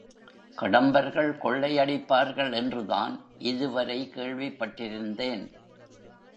கடம்பர்கள் கொள்ளையடிப்பார்கள் என்றுதான் இதுவரை கேள்விப்பட்டிருந்தேன்.